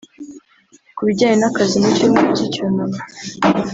Ku bijyanye n’akazi mu cyumweru cy’icyunamo